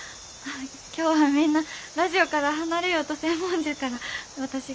今日はみんなラジオから離れようとせんもんじゃから私が。